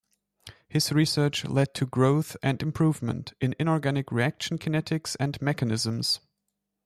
His research led to growth and improvement in inorganic reaction kinetics and mechanisms.